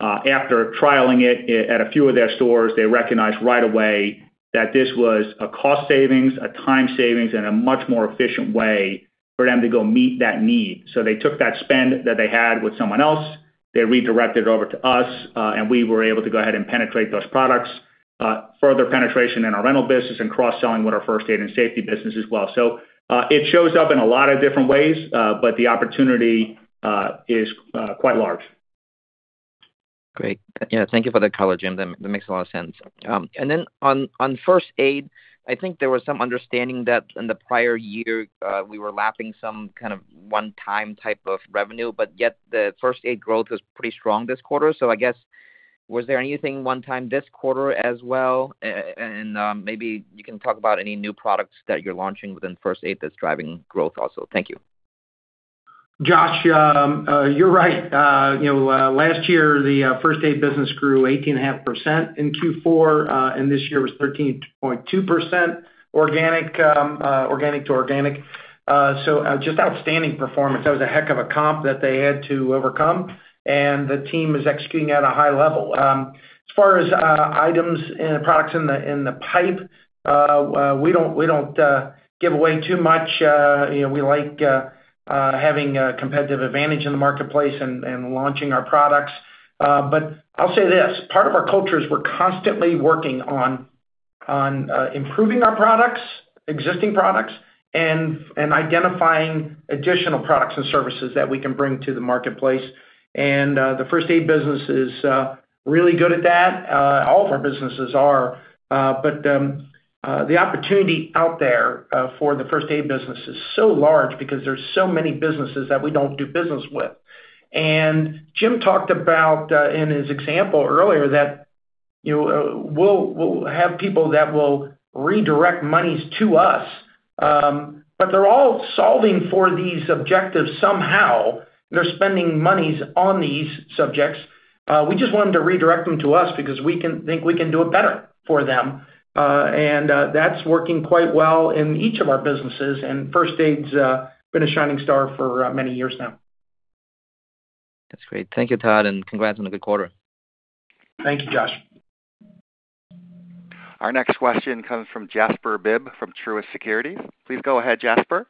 After trialing it at a few of their stores, they recognized right away that this was a cost savings, a time savings, and a much more efficient way for them to go meet that need. They took that spend that they had with someone else, they redirected it over to us, and we were able to go ahead and penetrate those products, further penetration in our rental business and cross-selling with our First Aid and Safety business as well. It shows up in a lot of different ways, but the opportunity is quite large. Great. Yeah, thank you for that color, Jim. That makes a lot of sense. Then on First Aid, I think there was some understanding that in the prior year, we were lapping some kind of one-time type of revenue, but yet the First Aid growth was pretty strong this quarter. I guess, was there anything one time this quarter as well? Maybe you can talk about any new products that you're launching within First Aid that's driving growth also. Thank you. Josh, you're right. Last year, the First Aid business grew 18.5% in Q4, and this year was 13.2% organic to organic. Just outstanding performance. That was a heck of a comp that they had to overcome, and the team is executing at a high level. As far as items and products in the pipe, we don't give away too much. We like having a competitive advantage in the marketplace and launching our products. I'll say this, part of our culture is we're constantly working on improving our products, existing products, and identifying additional products and services that we can bring to the marketplace. The First Aid business is really good at that. All of our businesses are. The opportunity out there for the First Aid business is so large because there's so many businesses that we don't do business with. Jim talked about, in his example earlier, that we'll have people that will redirect monies to us, they're all solving for these objectives somehow. They're spending monies on these subjects. We just want them to redirect them to us because we think we can do it better for them. That's working quite well in each of our businesses, and First Aid's been a shining star for many years now. That's great. Thank you, Todd, and congrats on a good quarter. Thank you, Josh. Our next question comes from Jasper Bibb from Truist Securities. Please go ahead, Jasper.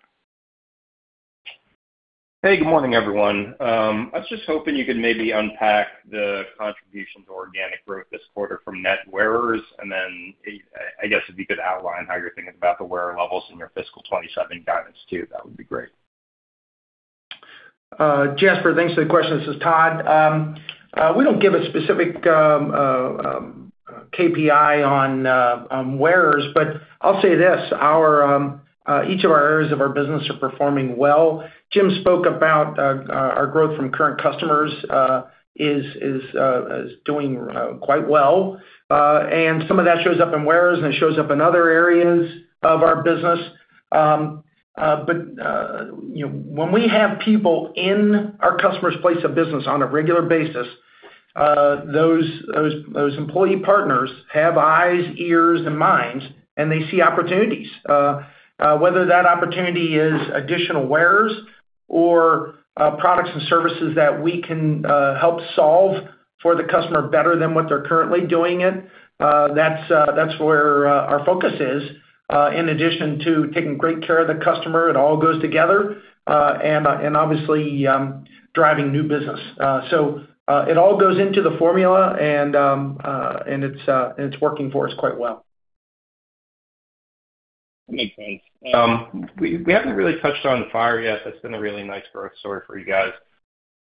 Hey, good morning, everyone. I was just hoping you could maybe unpack the contribution to organic growth this quarter from net wearers, and then I guess if you could outline how you're thinking about the wearer levels in your fiscal 2027 guidance, too, that would be great. Jasper, thanks for the question. This is Todd. We don't give a specific KPI on wearers, but I'll say this, each of our areas of our business are performing well. Jim spoke about our growth from current customers is doing quite well. Some of that shows up in wearers, and it shows up in other areas of our business. When we have people in our customer's place of business on a regular basis, those employee partners have eyes, ears, and minds, and they see opportunities. Whether that opportunity is additional wearers or products and services that we can help solve for the customer better than what they're currently doing it, that's where our focus is. In addition to taking great care of the customer, it all goes together, and obviously, driving new business. It all goes into the formula, and it's working for us quite well. Okay, thanks. We haven't really touched on Fire yet, that's been a really nice growth story for you guys.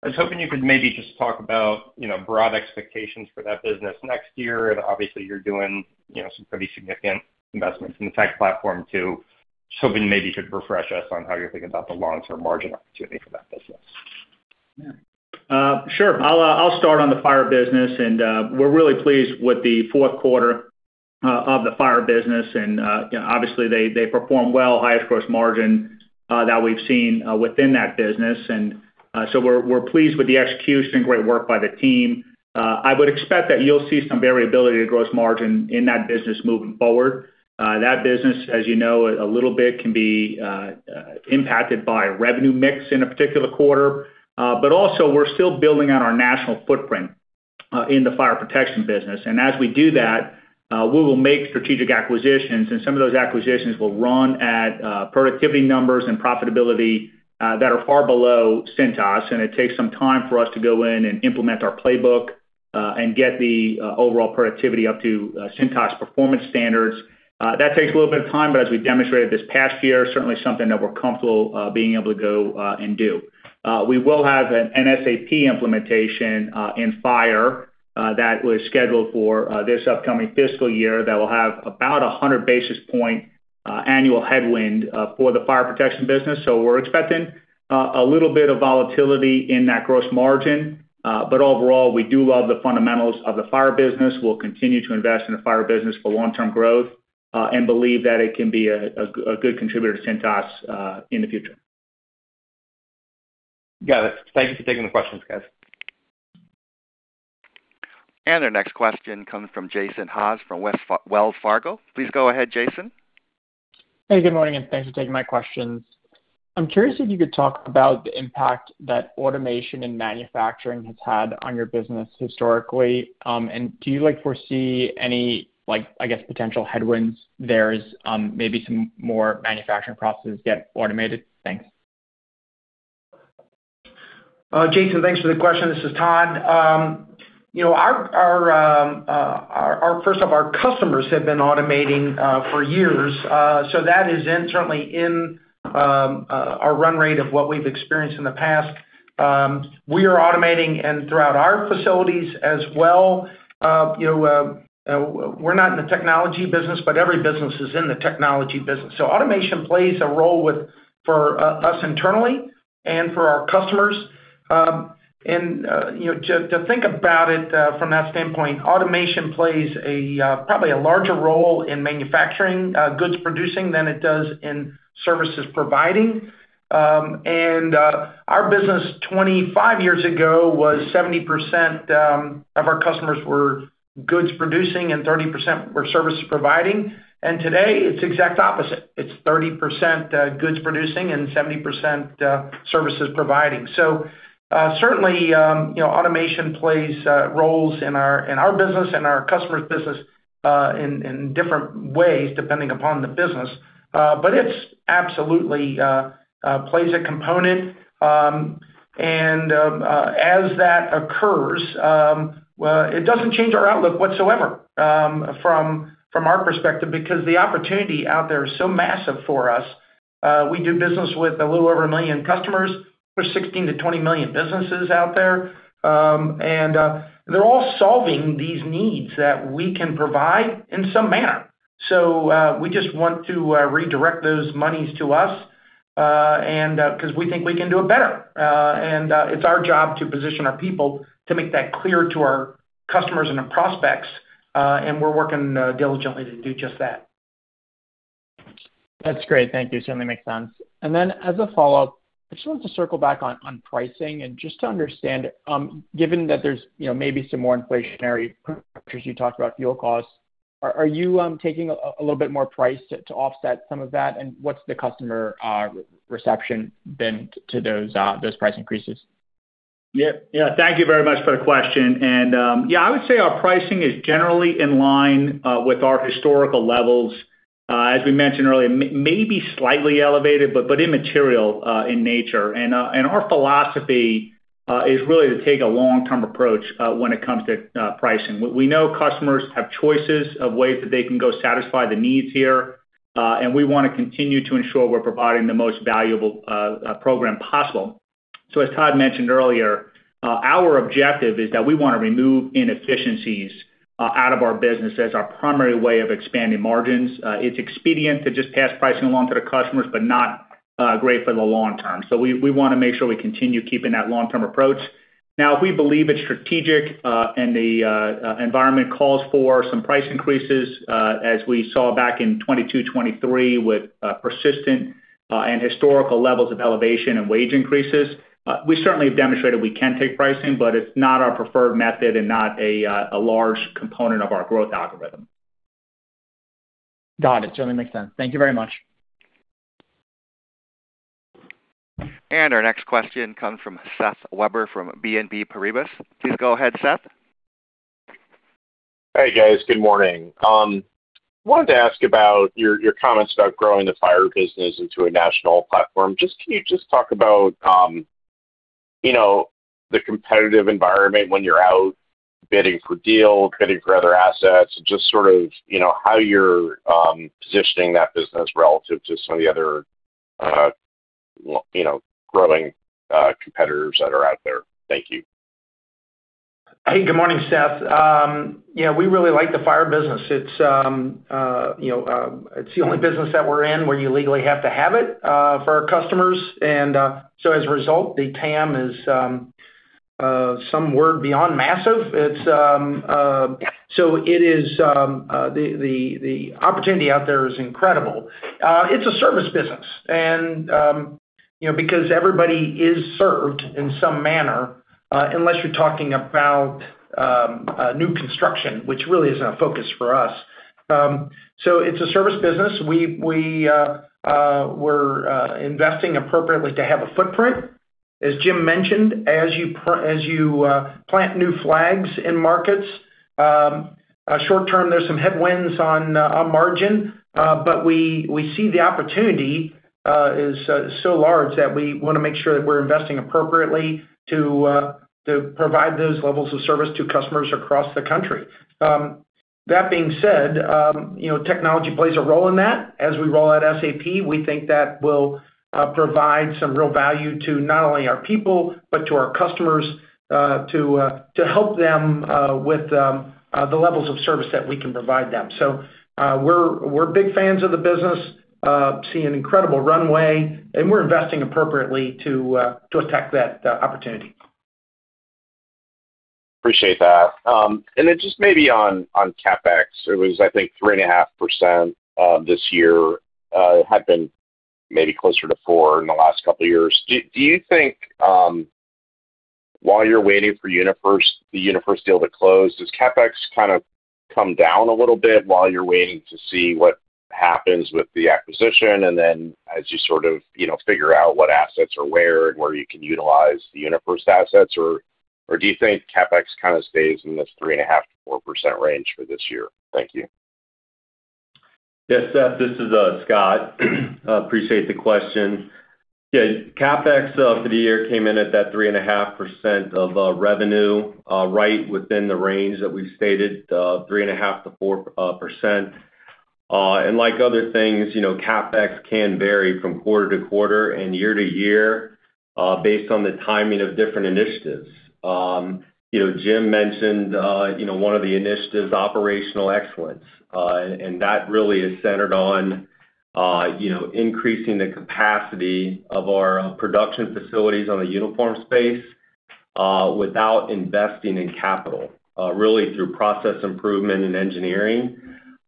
I was hoping you could maybe just talk about broad expectations for that business next year, and obviously you're doing some pretty significant investments in the tech platform, too. Just hoping maybe you could refresh us on how you're thinking about the long-term margin opportunity for that business. Sure. I'll start on the Fire business, we're really pleased with the fourth quarter of the Fire business. Obviously they perform well, highest gross margin that we've seen within that business. We're pleased with the execution, great work by the team. I would expect that you'll see some variability to gross margin in that business moving forward. That business, as you know, a little bit can be impacted by revenue mix in a particular quarter. Also, we're still building out our national footprint in the Fire Protection business. As we do that, we will make strategic acquisitions, and some of those acquisitions will run at productivity numbers and profitability that are far below Cintas. It takes some time for us to go in and implement our playbook, and get the overall productivity up to Cintas performance standards. That takes a little bit of time, as we've demonstrated this past year, certainly something that we're comfortable being able to go and do. We will have an SAP implementation in Fire that was scheduled for this upcoming fiscal year that will have about 100 basis point annual headwind for the Fire Protection business. We're expecting a little bit of volatility in that gross margin. Overall, we do love the fundamentals of the Fire business. We'll continue to invest in the Fire business for long-term growth, and believe that it can be a good contributor to Cintas in the future. Got it. Thank you for taking the questions, guys. Our next question comes from Jason Haas from Wells Fargo. Please go ahead, Jason. Hey, good morning, and thanks for taking my questions. I'm curious if you could talk about the impact that automation in manufacturing has had on your business historically. Do you foresee any, I guess, potential headwinds there as maybe some more manufacturing processes get automated? Thanks. Jason, thanks for the question. This is Todd. First off, our customers have been automating for years, so that is certainly in our run rate of what we've experienced in the past. We are automating and throughout our facilities as well. We're not in the technology business, but every business is in the technology business. Automation plays a role for us internally and for our customers. To think about it from that standpoint, automation plays probably a larger role in manufacturing goods producing than it does in services providing. Our business 25 years ago, 70% of our customers were goods producing and 30% were service providing. Today it's the exact opposite. It's 30% goods producing and 70% services providing. Certainly, automation plays roles in our business and our customers' business, in different ways depending upon the business. It absolutely plays a component. As that occurs, it doesn't change our outlook whatsoever from our perspective because the opportunity out there is so massive for us. We do business with a little over 1 million customers. There are 16 million to 20 million businesses out there. They're all solving these needs that we can provide in some manner. We just want to redirect those monies to us, because we think we can do it better. It's our job to position our people to make that clear to our customers and our prospects. We're working diligently to do just that. That's great. Thank you. Certainly makes sense. As a follow-up, I just wanted to circle back on pricing and just to understand, given that there's maybe some more inflationary pressures, you talked about fuel costs, are you taking a little bit more price to offset some of that? What's the customer reception been to those price increases? Thank you very much for the question. I would say our pricing is generally in line with our historical levels. As we mentioned earlier, maybe slightly elevated, but immaterial in nature. Our philosophy is really to take a long-term approach when it comes to pricing. We know customers have choices of ways that they can go satisfy the needs here, and we want to continue to ensure we're providing the most valuable program possible. As Todd mentioned earlier, our objective is that we want to remove inefficiencies out of our business as our primary way of expanding margins. It's expedient to just pass pricing along to the customers, but not great for the long term. We want to make sure we continue keeping that long-term approach. If we believe it's strategic and the environment calls for some price increases, as we saw back in 2022, 2023, with persistent and historical levels of elevation and wage increases, we certainly have demonstrated we can take pricing, but it's not our preferred method and not a large component of our growth algorithm. Got it. Certainly makes sense. Thank you very much. Our next question comes from Seth Weber from BNP Paribas. Please go ahead, Seth. Hey, guys. Good morning. Wanted to ask about your comments about growing the fire business into a national platform. Can you just talk about the competitive environment when you're out bidding for deals, bidding for other assets, and just sort of how you're positioning that business relative to some of the other growing competitors that are out there? Thank you. Hey, good morning, Seth. We really like the fire business. It's the only business that we're in where you legally have to have it for our customers. So as a result, the TAM is some word beyond massive. The opportunity out there is incredible. It's a service business, and because everybody is served in some manner, unless you're talking about new construction, which really isn't a focus for us. So it's a service business. We're investing appropriately to have a footprint. As Jim mentioned, as you plant new flags in markets, short term there's some headwinds on margin. We see the opportunity is so large that we want to make sure that we're investing appropriately to provide those levels of service to customers across the country. That being said, technology plays a role in that. As we roll out SAP, we think that will provide some real value to not only our people, but to our customers, to help them with the levels of service that we can provide them. We're big fans of the business, see an incredible runway, and we're investing appropriately to attack that opportunity. Appreciate that. Just maybe on CapEx, it was, I think 3.5% this year. Had been maybe closer to 4% in the last couple of years. Do you think, while you're waiting for the UniFirst deal to close, does CapEx kind of come down a little bit while you're waiting to see what happens with the acquisition? As you sort of figure out what assets are where and where you can utilize the UniFirst assets, or do you think CapEx kind of stays in the 3.5%-4% range for this year? Thank you. Seth, this is Scott. Appreciate the question. CapEx for the year came in at that 3.5% of revenue, right within the range that we've stated, 3.5%-4%. Like other things, CapEx can vary from quarter to quarter and year to year, based on the timing of different initiatives. Jim mentioned one of the initiatives, operational excellence, and that really is centered on increasing the capacity of our production facilities on the uniform space, without investing in capital, really through process improvement and engineering.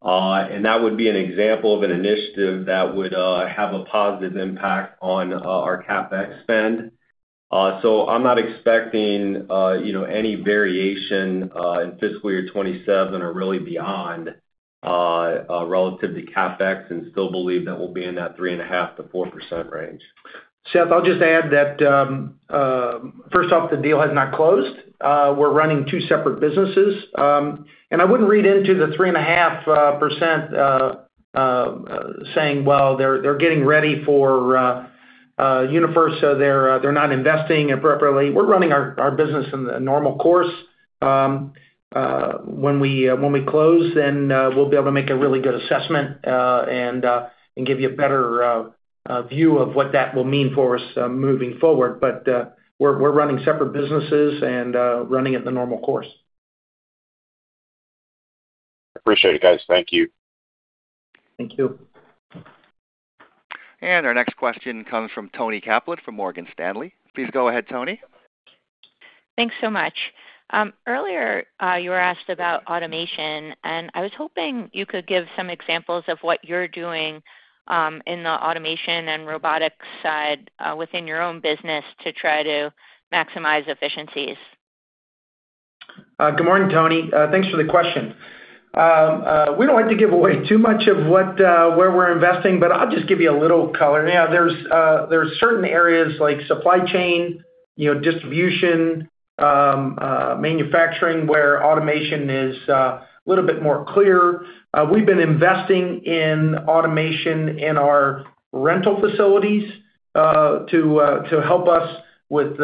That would be an example of an initiative that would have a positive impact on our CapEx spend. I'm not expecting any variation in fiscal year 2027 or really beyond, relative to CapEx and still believe that we'll be in that 3.5%-4% range. Seth, I'll just add that, first off, the deal has not closed. We're running two separate businesses. I wouldn't read into the 3.5% saying, "Well, they're getting ready for UniFirst, so they're not investing appropriately." We're running our business in the normal course. When we close, we'll be able to make a really good assessment, and give you a better view of what that will mean for us moving forward. We're running separate businesses and running it the normal course. Appreciate it, guys. Thank you. Thank you. Our next question comes from Toni Kaplan from Morgan Stanley. Please go ahead, Toni. Thanks so much. Earlier, you were asked about automation, and I was hoping you could give some examples of what you're doing, in the automation and robotics side, within your own business to try to maximize efficiencies. Good morning, Toni. Thanks for the question. We don't like to give away too much of where we're investing, but I'll just give you a little color. There's certain areas like supply chain, distribution, manufacturing, where automation is a little bit more clear. We've been investing in automation in our rental facilities, to help us with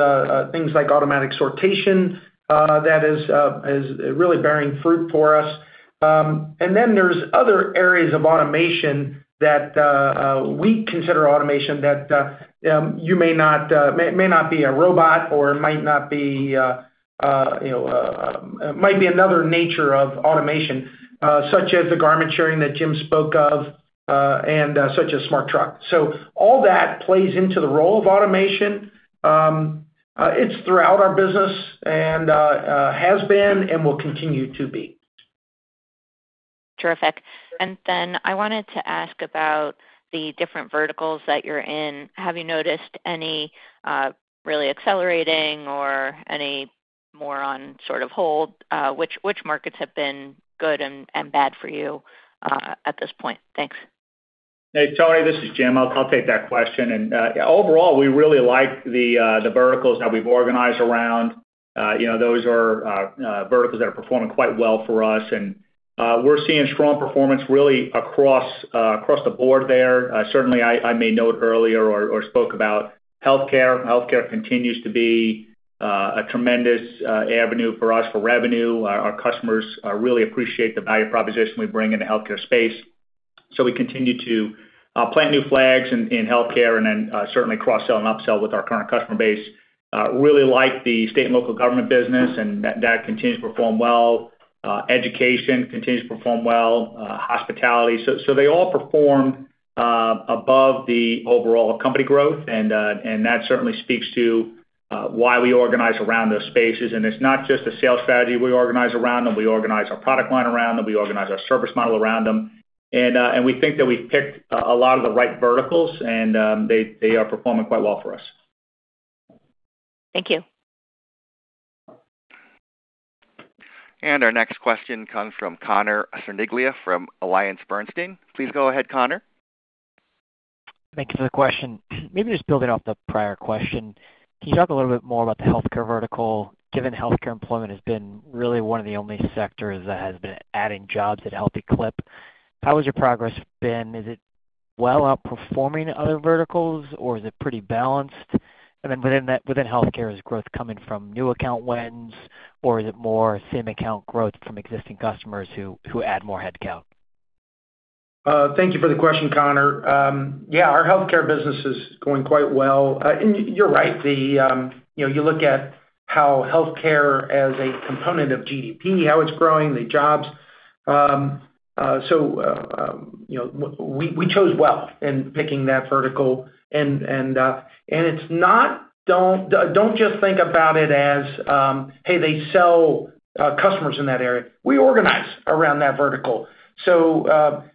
things like automatic sortation, that is really bearing fruit for us. There's other areas of automation that, we consider automation that may not be a robot or it might be another nature of automation. Such as the garment sharing that Jim spoke of, and such as Smart Truck. All that plays into the role of automation. It's throughout our business and has been and will continue to be. Terrific. I wanted to ask about the different verticals that you're in. Have you noticed any really accelerating or any more on sort of hold? Which markets have been good and bad for you at this point? Thanks. Hey, Toni, this is Jim. I'll take that question. Overall, we really like the verticals that we've organized around. Those are verticals that are performing quite well for us. We're seeing strong performance really across the board there. Certainly, I may note earlier or spoke about healthcare. Healthcare continues to be a tremendous avenue for us for revenue. Our customers really appreciate the value proposition we bring in the healthcare space. We continue to plant new flags in healthcare and then certainly cross-sell and upsell with our current customer base. Really like the state and local government business, and that continues to perform well. Education continues to perform well, hospitality. They all perform above the overall company growth. That certainly speaks to why we organize around those spaces. It's not just a sales strategy we organize around them. We organize our product line around them. We organize our service model around them. We think that we've picked a lot of the right verticals, and they are performing quite well for us. Thank you. Our next question comes from Connor Cerniglia from AllianceBernstein. Please go ahead, Connor. Thank you for the question. Maybe just building off the prior question, can you talk a little bit more about the healthcare vertical, given healthcare employment has been really one of the only sectors that has been adding jobs at a healthy clip? How has your progress been? Is it well outperforming other verticals, or is it pretty balanced? Then within healthcare, is growth coming from new account wins, or is it more same account growth from existing customers who add more headcount? Thank you for the question, Connor. Yeah, our healthcare business is going quite well. You're right. You look at how healthcare as a component of GDP, how it's growing, the jobs. We chose well in picking that vertical. Don't just think about it as, "Hey, they sell customers in that area." We organize around that vertical.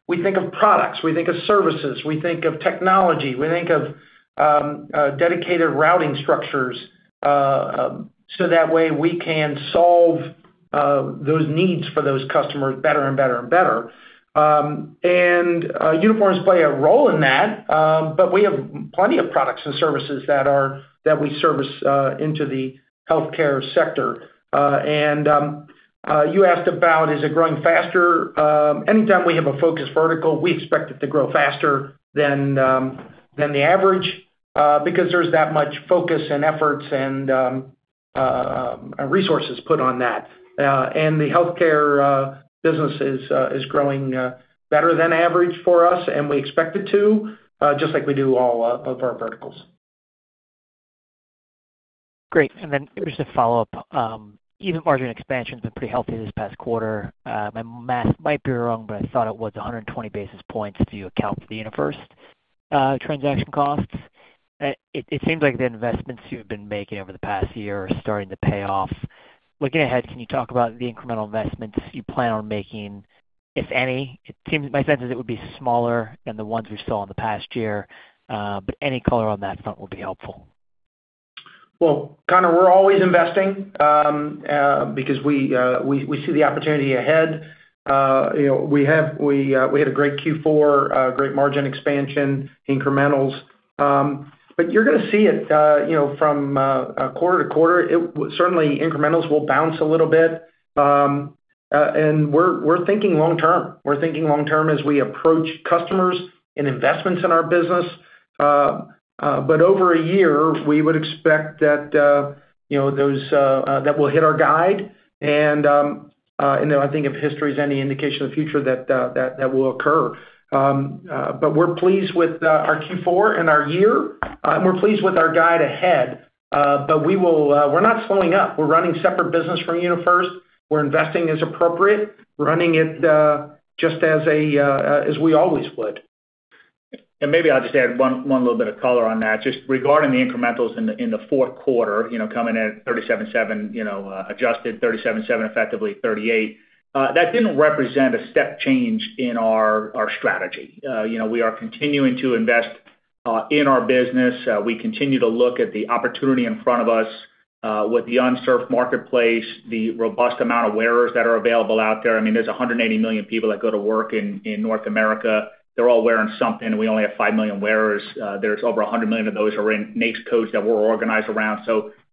We think of products, we think of services, we think of technology, we think of dedicated routing structures, so that way we can solve those needs for those customers better and better. Uniforms play a role in that, but we have plenty of products and services that we service into the healthcare sector. You asked about, is it growing faster? Anytime we have a focused vertical, we expect it to grow faster than the average, because there's that much focus and efforts and resources put on that. The healthcare business is growing better than average for us, and we expect it to, just like we do all of our verticals. Great. Just a follow-up. Even margin expansion's been pretty healthy this past quarter. My math might be wrong, but I thought it was 120 basis points if you account for the UniFirst transaction costs. It seems like the investments you've been making over the past year are starting to pay off. Looking ahead, can you talk about the incremental investments you plan on making, if any? My sense is it would be smaller than the ones we saw in the past year, but any color on that front will be helpful. Well, Connor, we're always investing, because we see the opportunity ahead. We had a great Q4, great margin expansion, incremental. You're going to see it from quarter to quarter. Certainly, incremental will bounce a little bit. We're thinking long term. We're thinking long term as we approach customers and investments in our business. Over a year, we would expect that we'll hit our guide, and I think if history is any indication of the future, that will occur. We're pleased with our Q4 and our year. We're pleased with our guide ahead. We're not slowing up. We're running separate business from UniFirst. We're investing as appropriate. We're running it just as we always would. Maybe I'll just add one little bit of color on that, just regarding the incremental in the fourth quarter, coming in at 37.7, adjusted 37.7, effectively 38. That didn't represent a step change in our strategy. We are continuing to invest in our business. We continue to look at the opportunity in front of us with the unserved marketplace, the robust amount of wearers that are available out there. There's 180 million people that go to work in North America. They're all wearing something, and we only have 5 million wearers. There's over 100 million of those are in NAICS codes that we're organized around.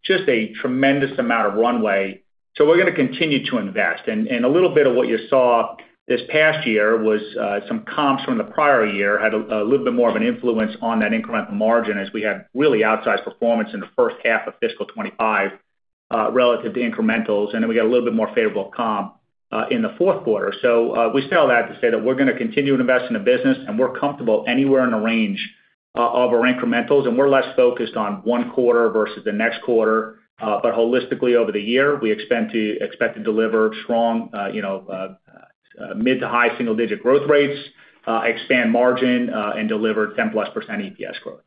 Just a tremendous amount of runway. We're going to continue to invest. A little bit of what you saw this past year was some comps from the prior year had a little bit more of an influence on that incremental margin as we had really outsized performance in the first half of fiscal 2025 relative to incremental. Then we got a little bit more favorable comp in the fourth quarter. We spell that to say that we're going to continue to invest in the business, and we're comfortable anywhere in the range of our incremental, and we're less focused on one quarter versus the next quarter. Holistically over the year, we expect to deliver strong, mid to high single-digit growth rates, expand margin, and deliver 10%+ EPS growth.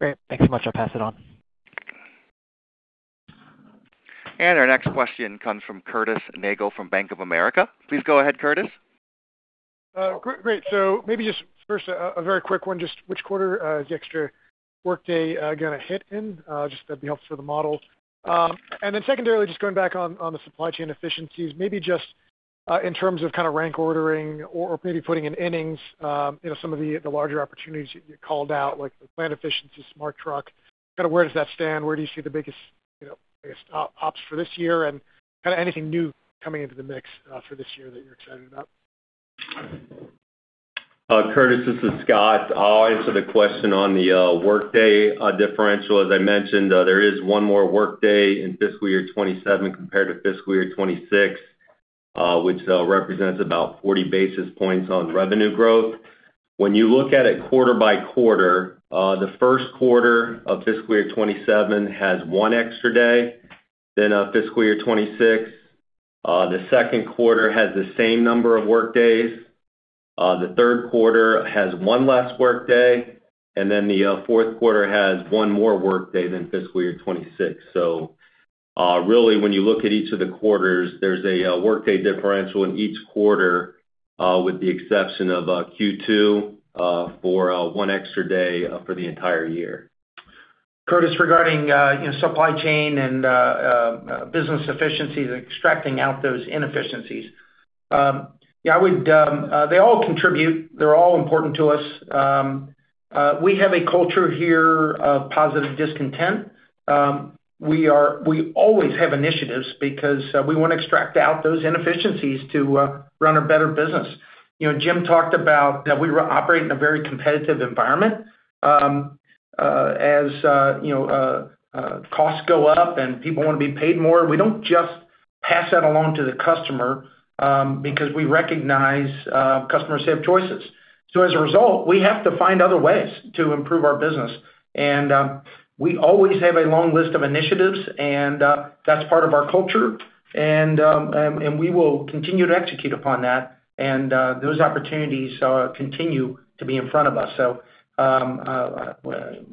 Great. Thanks so much. I'll pass it on. Our next question comes from Curtis Nagle from Bank of America. Please go ahead, Curtis. Great. Maybe just first, a very quick one. Just which quarter is the extra workday going to hit in? Just that'd be helpful for the model. Then secondarily, just going back on the supply chain efficiencies, maybe just in terms of kind of rank ordering or maybe putting in innings, some of the larger opportunities you called out, like the plant efficiency, Smart Truck. Where does that stand? Where do you see the biggest opts for this year? Anything new coming into the mix for this year that you're excited about? Curtis, this is Scott. I'll answer the question on the workday differential. As I mentioned, there is one more workday in fiscal year 2027 compared to fiscal year 2026, which represents about 40 basis points on revenue growth. When you look at it quarter by quarter, the first quarter of fiscal year 2027 has one extra day than fiscal year 2026. The second quarter has the same number of workdays. Then the third quarter has one less workday, and the fourth quarter has one more workday than fiscal year 2026. Really, when you look at each of the quarters, there's a workday differential in each quarter, with the exception of Q2 for one extra day for the entire year. Curtis, regarding supply chain and business efficiencies and extracting out those inefficiencies. They all contribute. They're all important to us. We have a culture here of positive discontent. We always have initiatives because we want to extract out those inefficiencies to run a better business. Jim talked about that we operate in a very competitive environment. As costs go up and people want to be paid more, we don't just pass that along to the customer, because we recognize customers have choices. As a result, we have to find other ways to improve our business. We always have a long list of initiatives, and that's part of our culture. We will continue to execute upon that. Those opportunities continue to be in front of us.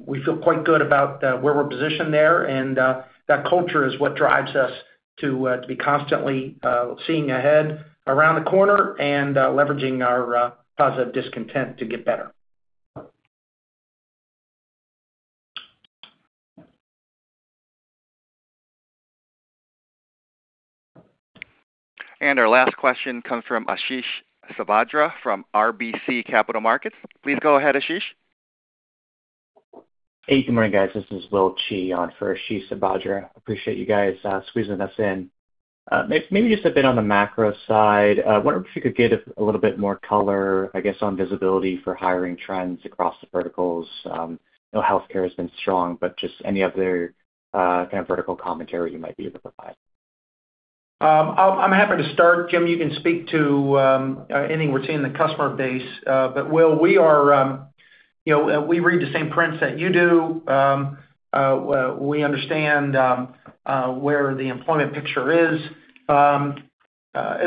We feel quite good about where we're positioned there. That culture is what drives us to be constantly seeing ahead around the corner and leveraging our positive discontent to get better. Our last question comes from Ashish Sabadra from RBC Capital Markets. Please go ahead, Ashish. Hey, good morning, guys. This is Will Qi on for Ashish Sabadra. Appreciate you guys squeezing us in. Maybe just a bit on the macro side, wondering if you could give a little bit more color, I guess, on visibility for hiring trends across the verticals. We know healthcare has been strong, but just any other kind of vertical commentary you might be able to provide. I'm happy to start. Jim, you can speak to anything we're seeing in the customer base. Will, we read the same prints that you do. We understand where the employment picture is. As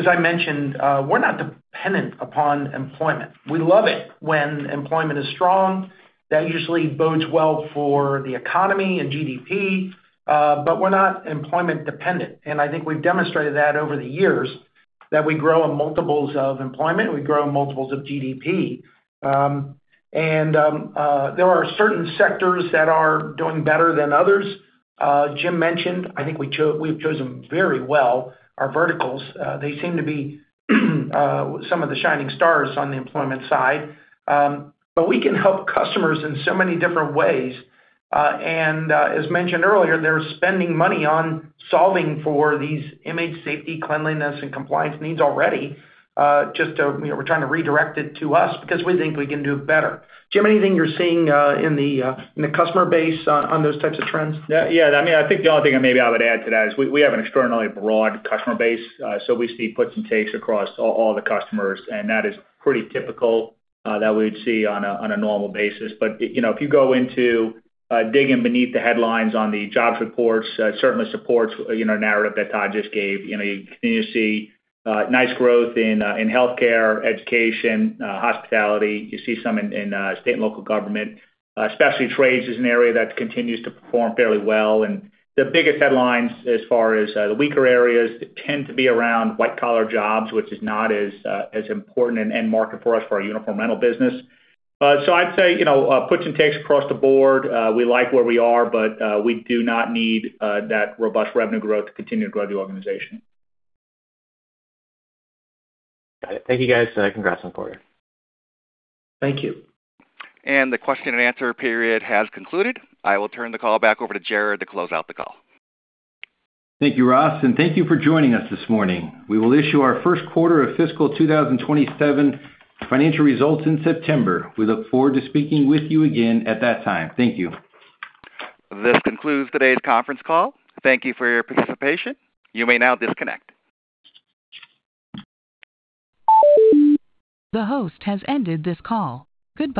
I mentioned, we're not dependent upon employment. We love it when employment is strong. That usually bodes well for the economy and GDP. We're not employment-dependent, and I think we've demonstrated that over the years, that we grow in multiples of employment, we grow in multiples of GDP. There are certain sectors that are doing better than others. Jim mentioned, I think we've chosen very well our verticals. They seem to be some of the shining stars on the employment side. We can help customers in so many different ways. As mentioned earlier, they're spending money on solving for these image safety, cleanliness, and compliance needs already. Just we're trying to redirect it to us because we think we can do better. Jim, anything you're seeing in the customer base on those types of trends? Yeah. I think the only thing maybe I would add to that is we have an extraordinarily broad customer base. We see puts and takes across all the customers, and that is pretty typical that we'd see on a normal basis. If you go into digging beneath the headlines on the jobs reports, certainly supports a narrative that Todd just gave. You continue to see nice growth in healthcare, education, hospitality. You see some in state and local government. Specialty trades is an area that continues to perform fairly well. The biggest headlines as far as the weaker areas tend to be around white-collar jobs, which is not as important an end market for us for our uniform rental business. I'd say puts and takes across the board. We like where we are, but we do not need that robust revenue growth to continue to grow the organization. Got it. Thank you, guys. Congrats on the quarter. Thank you. The question and answer period has concluded. I will turn the call back over to Jared to close out the call. Thank you, Ross, and thank you for joining us this morning. We will issue our first quarter of fiscal 2027 financial results in September. We look forward to speaking with you again at that time. Thank you. This concludes today's conference call. Thank you for your participation. You may now disconnect. The host has ended this call. Goodbye.